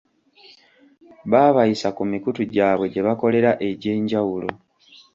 Baabayisa ku mikutu gyabwe gye bakolera egy'enjawulo.